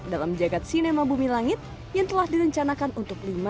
dalam menjaga sinema bumi langit yang telah direncanakan untuk lima tahun